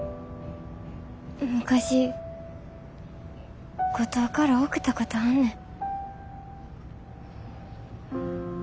昔五島から送ったことあんねん。